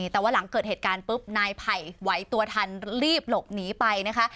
แต่ว่าหลังเกิดเหตุการณ์ปุ๊บนายไผ่ไหวตัวทันรีบหลบหนีไปนะคะ